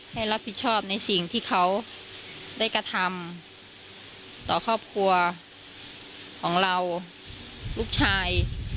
ให้รับผิดชอบในสิ่งที่เขาได้กระทำต่อครอบครัวของเราลูกชาย